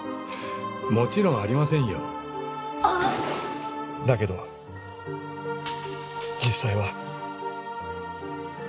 もちろんありませんよだけど実際は。